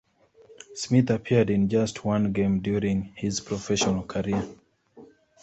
Smith appeared in just one game during his professional career.